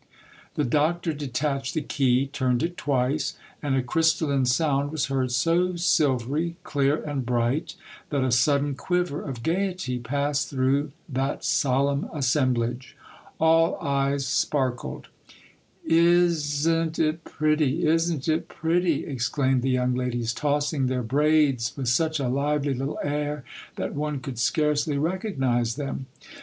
" The doctor detached the key, turned it twice, and a crystalline sound was heard, so silvery, clear, and bright that a sudden quiver of gaiety passed through that solemn assemblage. All eyes sparkled. The Clock of BoMgival. 65 " Is n't it pretty, is n't it pretty? " exclaimed the young ladies, tossing their braids with such a lively little air that one could scarcely recognize them.